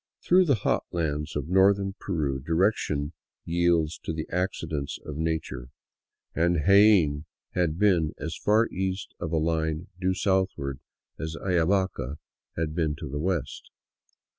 Through the hot lands of northern Peru direction yields to the accidents of nature, and Jaen had been as 254 APPROACHING INCA LAND far east of a line due southward as Ayavaca had been to the west.